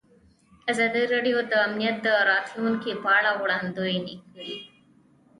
ازادي راډیو د امنیت د راتلونکې په اړه وړاندوینې کړې.